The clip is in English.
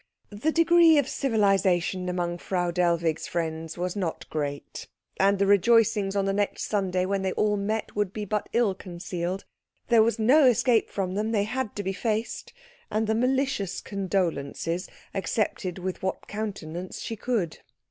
The degree of civilisation among Frau Dellwig's friends was not great, and the rejoicings on the next Sunday when they all met would be but ill concealed; there was no escape from them, they had to be faced, and the malicious condolences accepted with what countenance she could.